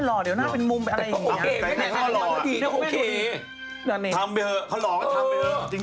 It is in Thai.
ทำไปเผลอหรอทำไปเผลอจริง